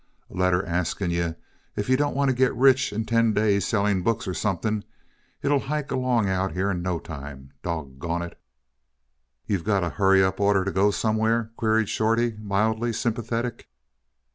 A letter asking yuh if yuh don't want to get rich in ten days sellin' books, or something, 'll hike along out here in no time. Doggone it!" "You got a hurry up order to go somewhere?" queried Shorty, mildly sympathetic.